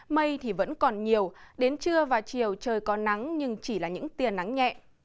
mây thì vẫn còn nhiều đến trưa và chiều trời có nắng nhưng chỉ là những tiền nắng nhẹ